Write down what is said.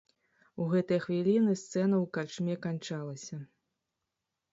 У гэтыя хвіліны сцэна ў карчме канчалася.